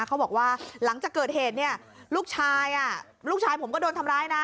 เขาบอกว่าหลังจากเกิดเหตุเนี่ยลูกชายลูกชายผมก็โดนทำร้ายนะ